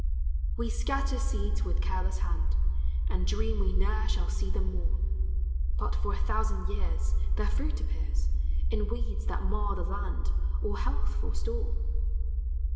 We scatter seeds with careless hand, And dream we ne'er shall see them more; But for a thousand years Their fruit appears, In weeds that mar the land, Or healthful store.